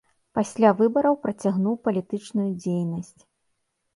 Пасля выбараў працягнуў палітычную дзейнасць.